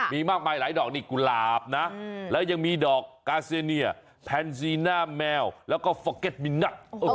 มีมากมายหลายดอกนี่กุหลาบนะแล้วยังมีดอกกาเซเนียแพนซีน่าแมวแล้วก็ฟอร์เก็ตมินนัก